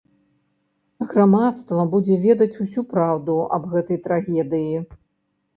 Грамадства будзе ведаць усю праўду аб гэтай трагедыі.